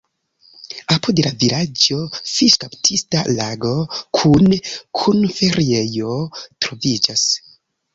Apud la vilaĝo fiŝkaptista lago kune kun feriejo troviĝas.